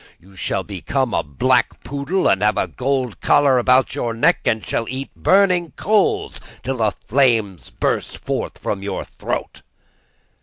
You shall become a black poodle and have a gold collar round your neck, and shall eat burning coals, till the flames burst forth from your throat.